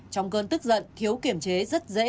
trong cơn tức giận thiếu kiểm chế rất dễ